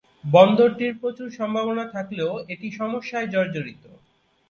বন্দরটির প্রচুর সম্ভবনা থাকলেও এটি সমস্যায় জর্জরিত।